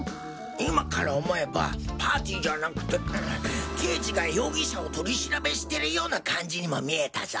今から思えばパーティーじゃなくて刑事が容疑者を取り調べしてるような感じにも見えたぞ。